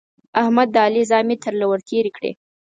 احمد د علي زامې تر له ور تېرې کړې.